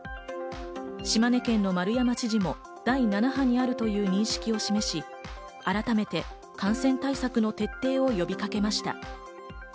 島根県の丸山知事も第７波にあるという認識を示し、改めて感染対策の徹底を呼びかけました。